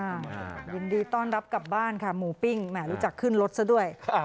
ยินดีต้อนรับกลับบ้านค่ะหมูปิ้งแหมรู้จักขึ้นรถซะด้วยอ่า